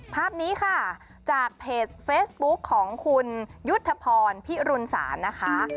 ภาพนี้ค่ะจากเพจเฟซบุ๊คของคุณยุทธพรพิรุณศาลนะคะ